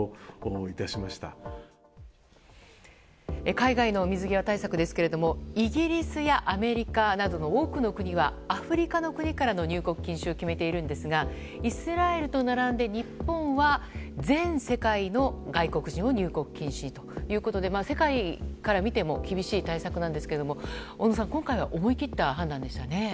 海外の水際対策ですがイギリスやアメリカなど多くの国はアフリカの国からの入国禁止を決めているんですがイスラエルと並んで日本は全世界の外国人を入国禁止ということで世界から見ても厳しい対策なんですが小野さん、今回は思い切った判断でしたね。